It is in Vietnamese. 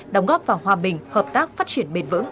đóng góp vào hòa bình hợp tác phát triển bền vững